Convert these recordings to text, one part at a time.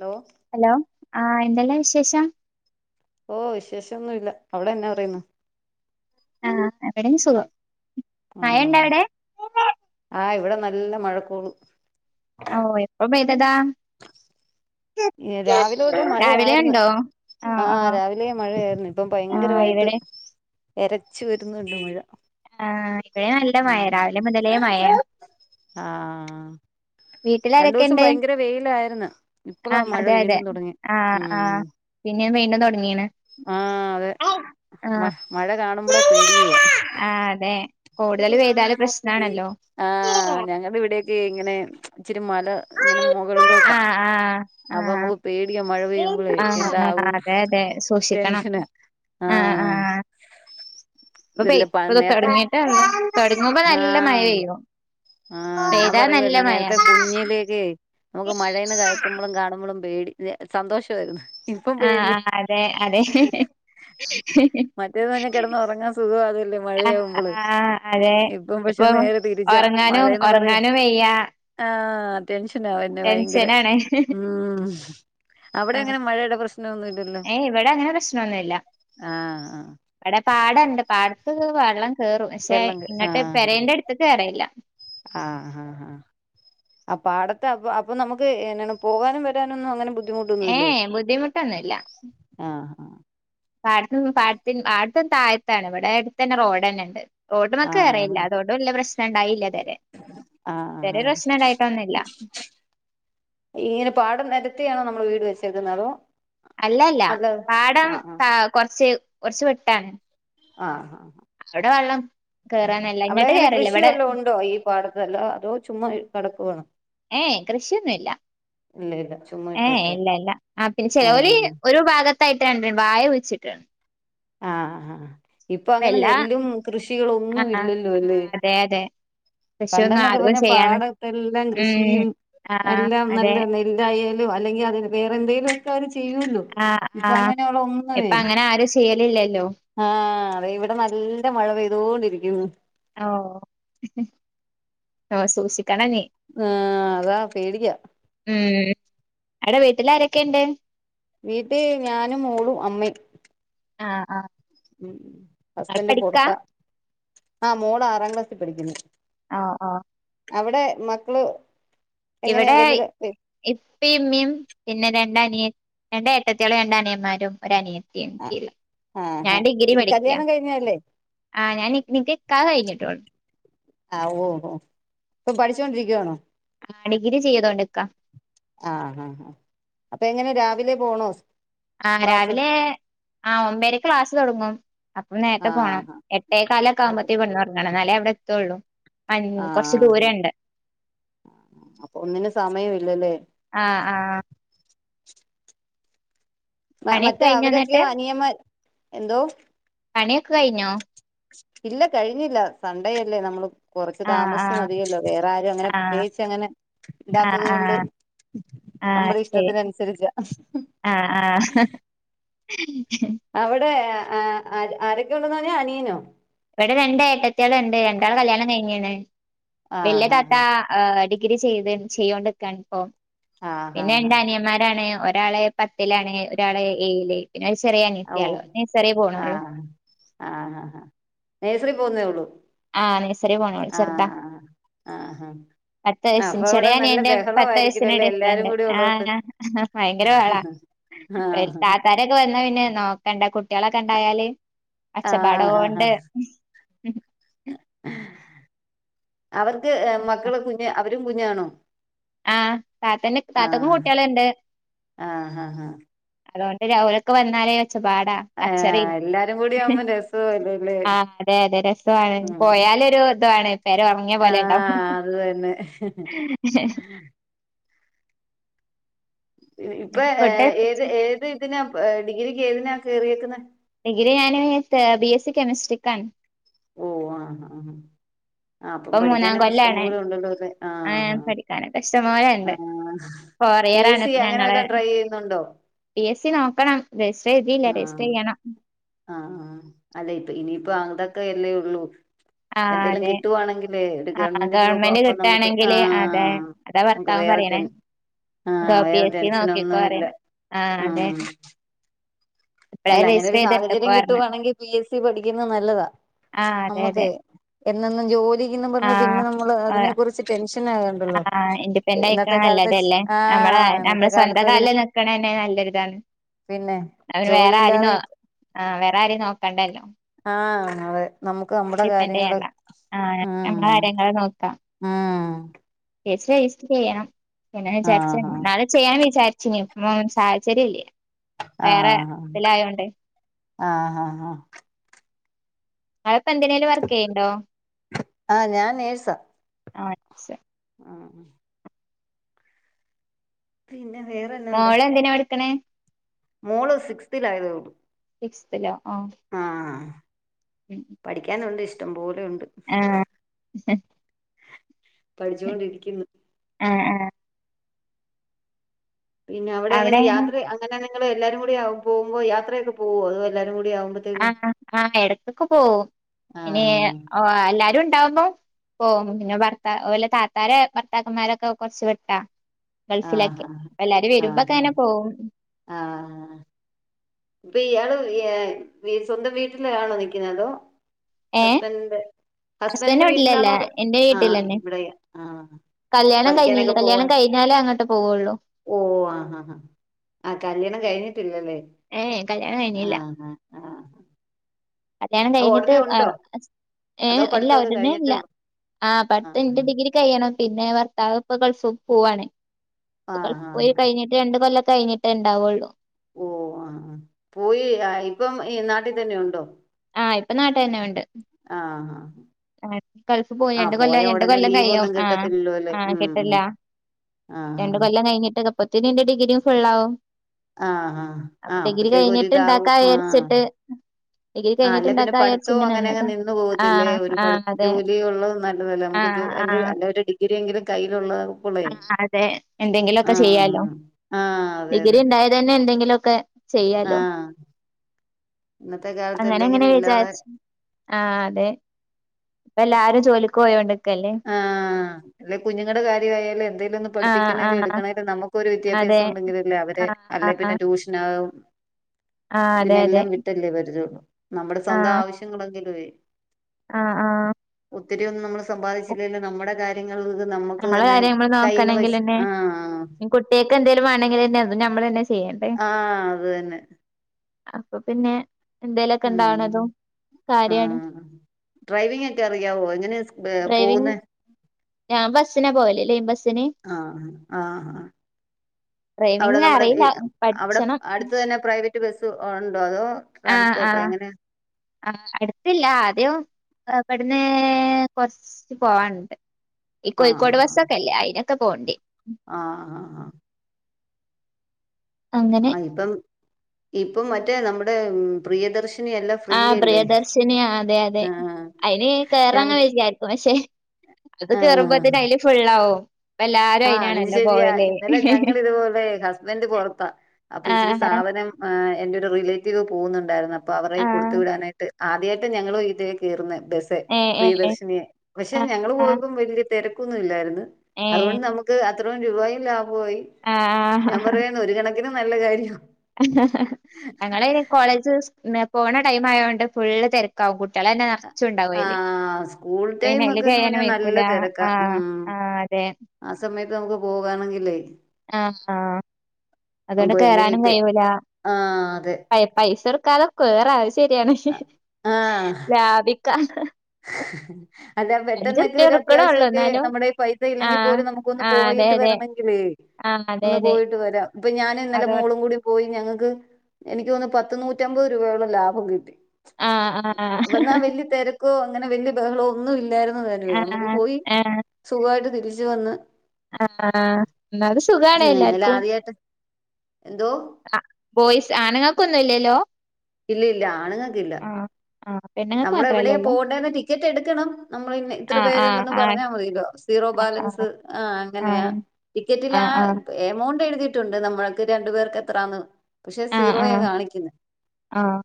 Law hello ആ എന്തല്ലേ വിശേഷം ഓ വിശേഷമൊന്നുമല്ല അവിടെന്നാ പറയുന്നു ആഹ ഇവിടെയും സുഖം ആ മഴയുണ്ടോ അവിടെ ആ ഇവിടെ നല്ല മഴക്കോളു ഓ എപ്പ പെയ്തതാ രാവിലെ തൊട്ട് രാവിലെ മഴയായിരുന്നു ഉണ്ടോ ആഹ് രാവിലെ മഴയായിരുന്നു ഇപ്പൊ ആഹ് ഭയങ്കരമായിട്ട് ഇവിടെ എരച്ചു വരുന്നുണ്ട് മുഴ ആ ഇവിടെ നല്ല മഴ രാവിലെ മുതലേ മഴ ആഹ വീട്ടിലാരൊക്കെ ഉണ്ട് വെയിലായിരുന്നു ആ ഇപ്പളാ മഴ അതെ അതെ വീണ്ടും തുടങ്ങി ആഹ ആഹ പിന്നെ വീണ്ടും തുടങ്ങിയാണ് ആഹ അതെ മ മഴ കാണുമ്പോള പേടിയവാ ആ അതെ കൂടുതൽ പെയ്താല് പ്രശ്നം ആഹ ഞങ്ങളുടെ ഇവിടെ ഇങ്ങനെ ഇച്ചിരി മല ഇങ്ങനെ മുകളിലോട്ടാ ആഹ് ആഹ് ആഹ് അപ്പൊ നമ്മുക്ക് പേട മഴ പെയ്യുമ്പള ആഹ് എന്താ ആഹ് ആകും അതെ അതെ സൂക്ഷിക്കണം ടെൻഷന ആഹ അപ്പൊ പെയ ഇ തുടങ്ങിട്ടാ തുടങ്ങുമ്പ നല്ല മഴ ആഹ് പെയ്യും ആഹ് ഞാൻ പെയ്താ നല്ല പറയൂന്ന മഴ നേരത്തെ കുഞ്ഞിലേക്ക് നമുക്ക് മഴേന്ന് കേക്കുമ്പോൾ കാണുമ്പോഴും പേടി സന്തോഷമായിരുന്നു ഇപ്പം ആഹ ആ അതെ അതെ മറ്റേതെന്ന് പറഞ്ഞാൽ കിടന്ന് ഉറങ്ങാൻ സുഖ അതല്ലേ ആഹ് മഴയാകുമ്പോള് ആഹ് അതെ ഇപ്പം ഇപ്പൊ പക്ഷെ നേരെ തിരിച്ചാ ഉറങ്ങാനും മഴയന്ന് പറയും ഉറങ്ങാനും വയ്യ ആഹ ടെൻഷന ആ വരണേ ഭയങ്കര ടെൻഷനാണ് ഉ അവിടെ ആഹ് എങ്ങന മഴയുടെ പ്രശ്നൊന്നുംല്ലല്ലോ ഏയ് ഇവിടെ അങ്ങനെ പ്രശ്നൊന്നുല്ല ആഹ ആ ഇവിടെ പാടഉണ്ട് പാടത്ത് വെള്ളം കേയറും പക്ഷെ വെള്ളം കേ ഇങ്ങോട്ട് പെരന്റെ അടുത്ത് കേയറിയില്ല ആഹ ആഹ് ആഹ അപ്പൊ പാടത്തെ അപ്പൊ നമുക്ക് എങ്ങണ് പോകാനും വരാനൊന്നും അങ്ങനെ ബുദ്ധി ഏ ബുദ്ധിമുട്ടൊന്നുമില്ല ആഹ പാടത്ത പാ പാടുത്തും താഴത്താണ് ഇവിടെ അടുത്ത് തന്നെ റോഡ് തന്നെ ഉണ്ട് റോട്ടും മക്ക ആഹ് കറിയില്ല അതോണ്ട് വല്ല പ്രശ്നം ഉണ്ടായില്ല ഇതുവരെ ആഹ ഇതുവരെ പ്രശ്നം ആഹ് ഉണ്ടായിട്ടൊന്നുല്ല ആഹ ഇങ്ങനെ പാടം നിരത്തിയാണോ നമ്മൾ വീട് വെച്ചേക്കുന്നതോ അല്ലല്ല പാടം കൊറച്ച് കുറച്ച് വിട്ടാണ് ആഹ് ആഹ ആഹ് എവിടെ വെള്ളം കേറാനല്ല അവിടെ ഇങ്ങട്ട് അങ്ങനെ കേറല്ല കൃഷി ഇവിടെ വല്ലോം ഉണ്ടോ ഈ പാടത്തെല്ല അതോ ചുമ്മാ കിടക്കുവാണോ ഏയ് കൃഷിയൊന്നുമല്ല ഇല്ല ഇല്ല ചുമ്മ ഏഹ ഇല്ല ഇല്ല ആ പിന്നെ ചെിലവലി ഒരു ഭാഗത്ത് [unintelligible] ഭാഗത്തായിട്ടണ്ടണ്ട് വായ കുഴിച്ചിട്ടുണ്ട് ആഹ ആ ഇപ്പൊ അപ്പൊ അങ്ങനെ എല്ലാ നെല്ലും ആ കൃഷികളൊന്നും ഇല്ലല്ലോ ആ അന്ന് അതെ അതെ കൃഷിയൊന്നും പണ്ടെന്നൊക്കെ ആർക്കും പറഞ്ഞാ ചെയ്യാണ് പാടത്തെ എല്ലാം ഉം കൃഷിയും ആ എല്ലാം അതെ നല്ല ഇതായാലും അല്ലെങ്കി അതിന് വേറെ എന്തെങ്കിലും ഒക്കെ അവര് ചെയ്യുവല്ലോ ആഹ് ആഹ് ഇപ്പ അങ്ങനാരും ചെയ്യലില്ലല്ലോ ആഹ് ദേ ഇവിടെ നല്ല മഴ പെയ്തോണ്ടിരിക്കുന്നു ഓഹ് ഒഹ് സൂക്ഷിക്കണംനി ആഹ് അതാ പേടിയാ ഉം അവിടെ വീട്ടിൽ ആരൊക്കെ എണ്ട് വീട്ടീ ഞാനും മോളും അമ്മയും ആഹ് ആഹ് ഉം ഹസ്ബന്റ് പൊറത്ത ആഹ് മോളാറാം ക്ലാസ്സീ പഠിക്കുന്നു ആഹ് ആഹ് അവിടെ മക്കള് എങ്ങനെയാ ഇവിടേ വലുത് ഇപ്പേം ഇമ്മിയും പിന്നെ രണ്ടനിയ രണ്ടേട്ടത്തിയാളും രണ്ടനിയന്മാരും ഒരനിയ ആ എനി‌ക്കില്ല ഞാൻ ആഹാ ഡിഗ്രി ഈ പഠിക്ക്യാ കല്യാണം കഴിഞ്ഞല്ലേ ആഹ് ഞാന് നിക്ക് നികാഹ് കഴിഞ്ഞിട്ടൊള്ളു ആഹ് ഓഹൊ ഇപ്പൊ പഠിച്ചോണ്ടിരിക്കുവാണോ ആഹ് ഡിഗ്രി ചെയ്തോണ്ടിക്കാ ആഹഹാ അപ്പൊ എങ്ങനെ രാവിലെ പോണോ ആഹ് ക്ലാസ് രാവിലേ ആഹ് ഒമ്പരക്ക് ക്ലാസ്സ് തൊടങ്ങും അപ്പം ആ നേരത്തെ പോണം എട്ടേകാലൊക്കെ ആവുമ്പോത്തേ ഇവടെന്നെറങ്ങണം എന്നാലേ അവിടെ എത്തൊള്ളു ആഹ് അപ്പൊ ഒന്നിനും സമയം ഇല്ലല്ലേ ആഹ് ആഹ് മ പണിയൊക്കെ മറ്റേ കഴിഞ്ഞോ എന്നിട്ട് അവരെക്കെയോ അനിയമ്മാര് എന്തോ പണിയൊക്കെ കഴിഞ്ഞോ ഇല്ല കഴിഞ്ഞില്ല സണ്ടേയല്ലേ നമ്മള് കുറച്ച് ആഹ് താമസിച്ച് ആഹ് മതിയല്ലോ വേറെ ആരും അങ്ങനെ ആഹ് പ്രത്യേകിച്ച് അങ്ങനെ ആഹ് ഇല്ലാത്തത് കൊണ്ട് ആഹ് ആഹ് നമ്മടെ ശരി ഇഷ്ടത്തിനനുസരിച്ച ആഹ് ആഹ് ഉ [unintelligible] അവിടേ അ അ ആരൊക്കെ ഉണ്ടെന്ന പറഞ്ഞെ അനിയനോ ഇവിടെ രണ്ട് ഏട്ടത്തിയാളെണ്ട് രണ്ടാൾടെയും കല്യാണം കഴിഞ്ഞേണ് വല്യ ആഹ് ഹാ താത്ത ഹാ ആഹ് ഡിഗ്രി ചെയ്ത് ചെയ്തോണ്ടിക്കാണിപ്പോ ആഹ് ഹാ പിന്നെ ഹാ രണ്ടനിയന്മാരാണ് ഒരാള് പത്തിലാണ് ഒരാള് ഏയില് പിന്നെ അത് ഓ ചെറിയനത്തിയാള്ളു നേഴ്സറീ പോണുള്ളൂ ആഹ് ആഹ് അഹ നേഴ്സറീ പോന്നേ ഒള്ളു ആഹ് നെഴ്സറി പോണേഒള്ളു ചെറുതാ ആഹ് ഹ പത്ത് ആഹ് വയസ്സിന് അപ്പൊ അവിടെ ചെറിയ നല്ല അനിയന്റെ ബഹള പത്ത് വയസ്സിന് ആയിരിക്കലെല്ലേ എല്ലാരും ഡിഫറന്റ് കൂടി ഉള്ളോണ്ട് ആഹ് ഭയങ്കര ആഹ് ഇവിടേക്ക് വന്ന പിന്നെ നോക്കണ്ട കുട്ടികളൊക്കെണ്ടായാല് ആഹ് ഹാ ഹാ ഒച്ചപ്പാടുംവോണ്ട് ഉം അവർക്ക് മക്കള് കുഞ്ഞ് അവരും കുഞ്ഞാണോ ആഹ് താത്തെനും താത്തക്കും ആഹ് കുട്ടിയളെണ്ട് ആഹ് ഹാ ഹാ അതുകൊണ്ട് അവരൊക്കെ വന്നാലേ ഒച്ചപ്പാടാ ആഹ് കച്ചറയും എല്ലാരും കൂടിയാവുമ്പം രസവാല്ലേ ആഹ് അതെ അതെ രസവാണ് പോയാലൊരു ഇതുവാണ് പെര ഒറങ്ങിയപോലെ ഇണ്ടാവും [inaudible] ആഹ് അത് തന്നെ [unintelligible] ഇപ്പ ഫുഡ് ഏത് ഏത് ഇതിനാ പ് ഡിഗ്രിക്ക് ഏതിനാ കേറിയേക്കുന്നെ ഡിഗ്രി ഞാന് തേർഡി എസ് ഇ കെമിസ്ട്രിക്കാണ് ഓഹ് ആഹാ [inaudible] ഇപ്പൊ മൂന്നാം കൊല്ലാണ് ഉണ്ടല്ലോ അല്ലേ അ ഞ ആഹ് പഠിക്കാന് ഒക്കെ ഇഷ്ടം ആ പോലെഉണ്ട് ഫോർ പി ഇയർ എസ് ആണ് സി ഇപ്പൊ അങ്ങനെ ഞങ്ങള് വല്ലോം ട്രൈ ചെയ്യുന്നുണ്ടോ പി എസ് സി നോക്കണം രജിസ്റ്റർ ചെയ്തിയില്ല രജിസ്റ്റർ ആഹ് ചെയ്യണം ആഹ് അല്ല ഇപ്പൊ ഇനിയിപ്പൊ അതൊക്കെ അല്ലേ ഉള്ളൂ ആഹ് എന്തെങ്കലും അതെ കിട്ടുവാണെങ്കില് ഒരു ആഹ് ഗവൺമെന്റ് ജോബ് അപ്പൊ നമുക്ക് കിട്ടാണെങ്കില് അതെ ആഹ് അതാ നമുക്ക് ഭർത്താവും വേറെ പറേണേ ടെൻ ഗോ ആഹ് പി വേറെ എസ് സി നോക്കിക്കോ ടെൻഷനൊന്നും ഇല്ല പറേണെ ആഹ് അതെ. ഇപ്പഴേ അല്ലാ അങ്ങനെ ഒരു രജിസ്റ്റർ ചെയ്തിട്ടപ്പോ സാഹചര്യം പറഞ്ഞ് കിട്ടുകവാണെങ്കി പി എസ് സി പഠിക്കുന്നെ നല്ലതാ. ആഹ് അതെ നമുക്ക് അതെ എന്നെന്നും ജോലിക്കെന്നും പറഞ്ഞ് പിന്നെ നമ്മള് ആഹ് അതിനെ കുറിച്ച് ടെൻഷനാക ള്ളു ആഹ് ഇൻഡിപെൻഡ് ആയിക്കണ ഇന്നത്തെ കാലത്ത് ച് നല്ലതല്ലേ നമ്മളെ ആഹ് നമ്മളെ ഇന്നത്തെ സ്വന്തം കാലത്തൊരു കാലില് നിക്കണന്നെ നല്ലൊരിതാണ് പിന്നെ അവന് വേറെ ആരേം ജോലിയില്ലാതെ നോ ആഹ് വേറെ ആരേം നോക്കണ്ടല്ലോ. ആഹ് അതെ നമുക്ക് നമ്മുടെ ഡിപ്പെൻഡ് കാര്യങ്ങള് ചെയ്യണ്ട ആഹ് ഉം നമ്മളെ കാര്യങ്ങള് ആഹ് പി എസ് സി രജിസ്റ്ററ് ചെയ്യണം പിന്നെ വിചാരിച്ച് ആഹ് നാളെ ചെയ്യാ വിചാരിച്ചിനു ഉം സാഹചര്യല്ലേനു. ആഹ് വേറെ ആഹ് ഇതിലായോണ്ടെ ആഹ് ആഹ് ആഹ് ഇങ്ങള് ഇപ്പോ എന്തിനേലും വർക്ക് ചെയ്യുണ്ടോ ആഹ് ഞാൻ നേഴ്‌സാ ആഹ് ആഹ് ആഹ് പിന്നെ വേറെ മോളെന്തിനാ പഠിക്കണേ. മോള് സിക്സ്തിലായതേ ഒള്ളൂ. സിക്സ്ത്തിലോ ആഹ് ആഹ് ഉം ഉം പഠിക്കാനുണ്ട് ഇഷ്ടം പോലെയുണ്ട് ആഹ് പഠിച്ചോണ്ടിരിക്കുന്നു. ആഹ് ആഹ് പിന്നെ അവിടെ എങ്ങനെ അവിടെങ്ങനെ യാത്ര അങ്ങനെ നിങ്ങള് എല്ലാരുംകൂടി യാവു പോവോ യാത്രയൊക്കെ പോവോ അത് എല്ലാരും കൂടി ആവുമ്പോത്തി ആഹ് ആഹ് എടക്കൊക്കെ പോവും പിന്നെ ആഹ് ഹ് എല്ലാരും ഇണ്ടാവുമ്പോ പോവും പിന്നെ ഭർത്താ ഓലെ താത്താരെ ഭർത്താക്കന്മാരൊക്കെ കൊറച്ച് വെട്ടാ. ഗൾഫിലാക്കെ ആഹ് ആഹ് എല്ലാരും വരുമ്പോക്കെ ആഹ് അങ്ങനെ പോവും. ആഹ് ഇപ്പൊ ഇയാള് യെ സ്വന്തം വീട്ടിലാണോ നിക്കുന്നെ അതോ. ഏഹ് ഹസ്ബന്റിന്റെ ഹസ്ബൻഡന്റെ ഹസ്ബന്റിന്റെ വീട്ടിലല്ല വീട്ടിലാണോ അതോ ആഹ് ഇവിടെ ആഹ്. കല്ല്യാണം കയിഞ്ഞീല്ലാ കല്ല്യാണം കയിഞ്ഞാലേ അങ്ങട്ട് പോവൊള്ളൂ. ഓഹ് ആ ഹാ ഹാ ആഹ് കല്ല്യാണം കഴിഞ്ഞിട്ടില്ലല്ലേ. ഏഹ് കല്ല്യാണം കഴിഞ്ഞീല്ല. ആഹ് ആഹ് ആഹ് കല്ല്യാണം അത് കഴിഞ്ഞിട്ട് ഉടനെ ഉണ്ടോ ആഹ് ഹസ് അതോ ഏഹ് ഇല്ല പഠിത്തമൊക്കെ കഴിഞ്ഞിട്ടേ ഉടനെയില്ല ഉള്ളൂ ആഹ് പഠുത്തയിഞ്ഞിട്ട് ആഹ് ഡിഗ്രി. കയ്യണം പിന്നെ ഭർത്താവ് ഇപ്പൊ ഗൾഫ്ക്ക് പോവാണ് ആഹ് അപ്പൊ ആഹ് ഗൾഫ്ക്ക് പോയി ആഹ് കയിഞ്ഞ് രണ്ട് കൊല്ലം കയിഞ്ഞിട്ടേ ഇണ്ടാവൊള്ളൂ. ഓഹ് ആഹ് ഹാ പോയി ആഹ് ഇപ്പം ഈ നാട്ടി തന്നെ ഉണ്ടോ. ആഹ് ഇപ്പൊ നാട്ടിതന്നെ ഉണ്ട്. ആഹ്. ആഹ് ഗൾഫ് പോയി ആഹ് രണ്ട് പോയ കൊല്ലായി രണ്ട് ഉടനെ കൊല്ലം ലീവ് കയ്യും ഒന്നും ആഹ് കിട്ടത്തില്ലല്ലോ അല്ലേ ആഹ് ഉം ഉം കിട്ടല്ലാ ആഹ് രണ്ട് കൊല്ലം കഴിഞ്ഞിട്ടൊക്കെ അപ്പത്തേന് എന്റെ ഡിഗ്രിയും ഫുള്ളാവും. ആഹ് ആഹ് ആഹ് അപ്പൊ ആഹ് ഡിഗ്രി അപ്പത്തേക്ക് കഴിഞ്ഞിട്ട് ഇണ്ടാക്കാ ഒരിതാവും ആഹ് വിചാരിച്ചിട്ട്. ഡിഗ്രി ആഹ് അല്ല പിന്നെ കഴിഞ്ഞിട്ട്ണ്ടാക്കാ ചാരിച്ച് പഠിത്തവും ങ്ങനെ അങ്ങനെങ്ങ് നിന്നതാ നിന്ന് പോകത്തില്ലേ ആഹ്. ഒരു [unintelligible] ആഹ് അതെ ജോലി ഉള്ളത് നല്ലതല്ലെ നമുക്ക് ജോ ആഹ് എന്ത് ആഹ് അല്ലെ ഒരു ഡിഗ്രിയെങ്കിലും കയ്യിലുള്ളത്. ആഹ് അതെ എന്തെങ്കിലൊക്കെ ചെയ്യാലോ ആഹ് അതെ ഡിഗ്രി അതെ ണ്ടായതന്നെ എന്തെങ്കിലൊക്കെ. ചെയ്യാലോ ആഹ് ഇന്നത്തെ കാലത്ത് അങ്ങനെ ങ്ങനെ എന്തെങ്കിലും ഇല്ലാതെ വിചാര്ച്ച്. ആഹ് അതെ. എല്ലാരും ജോലിക്ക് പോയോണ്ട്. ആഹ് ല്ലെ കുഞ്ഞുങ്ങടെ കാര്യമായാലും എന്തെലും ഒന്ന് ആഹ് പഠപ്പിക്കണേലും ആഹ് എടുക്കണേ നമുക്കൊരു അതെ വിദ്യാഭ്യാസം ഉണ്ടെക്കിലല്ലേ അവരെ ആഹ് അല്ലെ പിന്നെ ആഹ് ട്യൂഷനാവും ആഹ് അതെ അതെ പിന്നെല്ലാം വിട്ടല്ലേ പരിജയം ഉള്ളൂ നമ്മുടെ സ്വന്തം ആഹ് ആവശ്യങ്ങളെങ്കിലുവേ ആഹ് ആഹ് ഒത്തിരി ഒന്നും നമ്മള് സമ്പാദിച്ചില്ലേലും നമ്മുടെ കാര്യ ങ്ങള് നമ്മക്ക് നമ്മളെ തന്നെ കാര്യം കയ്യ്ന്ന് പൈസ ആഹ് കുട്ടേയേക്കെന്തേലും വേണങ്കിൽ തും നമ്മൾ തന്നെ ആഹ് അത് തന്നെ അപ്പ പിന്നെ ണ്ടാകണതും ഉം ആഹ് ഡ്രൈവിംഗ്ക്കെ അറിയാവോ എങ്ങനെയാ സ് ഹേ ഡ്രൈവിങ് പോകുന്നെ? ഞാൻ ബസ്സ്നാ പോവല് ലൈൻ ബസ്സ്ന് ആഹ് ആഹ് ആഹ് ആഹ് അവടെ ഡ്രൈവിങ് നമ്മടെ ഈ അറിയില്ല അവടെ പഠിച്ചണം അട്ത്ത് തന്നെ പ്രൈവറ്റ് ബസ് ഉണ്ടോ അതോ? ആഹ് ട്രാൻസ്പോർട്ടോ ആഹ് എങ്ങനെയാ ആഹ് അട്ത്തില്ല ആദ്യ ഇബട്ന്ന് കൊർച്ച് പോവാണ്ട്. ഈ കോഴിക്കോട് ബസ്സക്കെല്ലേ അയിനൊക്കെ പോവണ്ടി. ആഹ് ആഹ് ആഹ് അങ്ങനെ ആഹ് ഇപ്പം ഇപ്പം മറ്റേ നമ്മുടെ പ്രിയദർശിനിയല്ലം ആഹ് പ്രിയദർശിനി അതെ അതെ ആഹ് അയിന് ഞ കേറാന്ന് വിചാരിക്കും പക്ഷേ അത് ആഹ് കേറുമ്പോത്തന് അയില് ഫുള്ളാവും. ഇപ്പ എല്ലാരും ആഹ് അത് അയിനാണല്ലോ ശരിയാ പോവല് ഇന്നലെ ഞങ്ങളിതുപോലെ ഹസ്ബന്റ് പൊർത്താ അപ്പൊ ഇച്ചിരി ആഹ് സാധനം ആഹ് എന്റെ രു റിലേറ്റീവ് പോകുന്നുണ്ടായിരുന്നു അപ്പൊ അവറെ കൊട്ത്ത് ആഹ് വിടാനായിട്ട് ആദ്യായിട്ട് ഞങ്ങള് ഇതേ കേറുന്നേ ബസ്സ് ഏഹ് ഏഹ് പ്രിയദർശിനിയെ പക്ഷെ ആഹ് ഞങ്ങള് ആഹ് പോയപ്പം വല്യ തെരക്കൊന്നും ഇല്ലായിരുന്ന് ഏഹ് അതുകൊണ്ട് നമു ക്ക് അത്രയും രൂപായും ലാഭവായി. ആഹ് ആഹ് ഒരു കണക്കിന് നല്ല കാര്യം ഞങ്ങള് കോളേജ് സ് ന്ന പോണ ടൈം ആയോണ്ട് ഫുള്ള് തെരക്കാവും കുട്ട്യള ന്നെ നർ ചുണ്ടാവും അയില് ആഹ് സ്കൂൾ ടൈം പിന്നെ അയില് ഒക്കെന്ന് കേറാനും പറഞ്ഞാ നല്ല വയ്ക്കൂല ആഹ് ആഹ് അതെ ആഹ് സമയത്ത് നമുക്ക് പോകാമെങ്കില്ലേ ആഹ് ആഹ് അതുകൊണ്ട് പിന്നെ കേറാനും ഇപ്പ കഴിയൂലാ. ആഹ് അതെ. പ പൈസ ട്ക്കാതെ കേറാം അഹ് ശരിയാണ് ആഹ് ലാഭിക്കാം. അല്ല പെട്ടെന്നൊക്കെ ഒരു കൊടുക്കണൊള്ളൂ അത്യാവശ്യംഒക്കെ എന്നാലും നമ്മുടെ പൈസ ഇല്ലെങ്കിൽ ആഹ് പോലും നമുക്കൊന്ന് ആഹ് അതെ പോയിട്ട് അതെ വരണമെങ്കിലേ ആഹ് അതെ ഒന്ന് അതെ പോയിട്ട് വരാം ഇപ്പ ഞാൻ ഇന്നലെ അതോ മോളും കൂടി പോയി ഞങ്ങക്ക് എനിക്ക് തോന്ന് പത്ത് നൂറ്റമ്പത് രൂപയോളം ലാഭം കിട്ടി. ആഹ് ആഹ് വെന്നാ വല്യ തെരക്കോ അങ്ങനെ വല്യ ബഹളോ ഒന്നും ഇല്ലായിരുന്നു. ഞമ്മക്ക് ആഹ് പോയി ഏഹ് സുഖായിട്ട് തിരിച്ച് വന്ന് ആഹ് എന്നാലും സുഖാണ് ആ, ഇന്നലെ എല്ലാർക്കും. ആദ്യായിട്ട് എന്തോ അഹ് ബോയ്സ് ആണുങ്ങൾക്കൊന്നുല്ലല്ലോ? ഇല്ല ഇല്ല ആണ്ങ്ങൾക്ക് ഇല്ല ആഹ് പെണ്ണുങ്ങൾക്ക് നമ്മള് മാത്രല്ലേ എവിടെയാ ഉള്ളൂ പോകേണ്ടേന്ന് ടിക്കറ്റ് എടുക്കണം നമ്മൾന്ന് ഇത്ര ആഹ് ആഹ് പേരുണ്ടെന്ന് ആഹ് പറഞ്ഞാ മതിലോ സീറോ ബാലൻസ് ആഹ് അങ്ങനെയാ ടിക്കറ്റിൽ ആഹ് എമൗണ്ട് എഴുതിയിട്ടുണ്ട് നമ്മൾക്ക് രണ്ടു പേർക്ക് എത്രന്ന് പക്ഷെ ആഹ് ആഹ് സീറോയാണ് കാണിക്കുന്നത് ആഹ്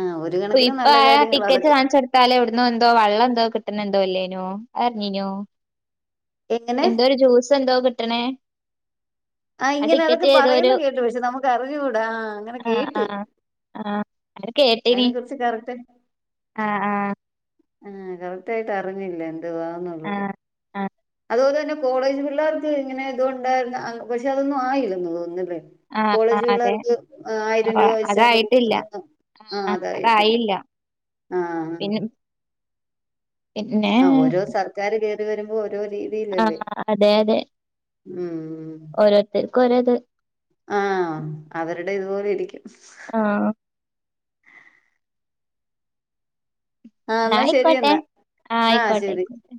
ആഹ് ഒരു കണക്കിന് നല്ല കാര്യ അഹ് ടിക്കറ്റ് കാണിച്ചടുത്താല എവിടന്ന എന്തോ വെള്ളം എന്തോ കിട്ടണ എന്തോല്ലേനോ അറിഞ്നോ എങ്ങനെ എന്തോ ഒരു ജ്യൂസ് എന്തോ കിട്ടണേ ആഹ് ആ ഇങ്ങനെ ടിക്കറ്റ് അതൊക്കെ ഏതോ ഒരു പറയുന്ന കേട്ടു പക്ഷെ നമുക്ക് അറിഞ്ഞൂടാ ആഹ് ങ്ങനെ ആഹ് കേട്ടു ആഹ് ആഹ് അത് കേട്ടീനി അയ്നെ കുറിച്ച് കറക്റ്റ ആഹ് ആഹ് ആഹ് കറക്റ്റ് ആയിട്ട് അറിഞ്ഞില്ല എന്ത്വാന്നുള്ളത് ആഹ് അതുപോലെ തന്നെ കോളേജ് പിള്ളേർക്ക് ഇങ്ങനെ ഇതൊണ്ടായിരുന്ന പക്ഷെ അതൊന്നും ആയില്ല തോന്നില്ലേ ആഹ് ആഹ് കോളേജ് അതെ പിള്ളേർക്ക് ആയിരം രൂപ വെച്ചാല്ല അതായിട്ടില്ല കൊടുക്കുന്നന്ന് ആഹ് അതായില്ല പിന്നെ ആഹ് പിന്നെ ആഹ് ഓരോ സർക്കാർ കേറി വരുമ്പോ ഓരോ രീതി ആഹ് അതെ അതെ ഉം ഓരോതർക്ക് ഓരോയിത് ആഹഹ് അവരുടെ ഇതുപോലെ ഇരിക്കും ആഹ് ആഹ് ന്ന എന്നാ ശരി ആയിക്കോട്ടെ എന്നാ ആഹ് ആയിക്കോട്ടെ അയ്കോട്ടെ